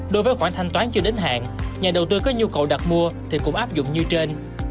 đối với khoản thanh toán chưa đến hạn nhà đầu tư có nhu cầu đặt mua thì cũng áp dụng như trên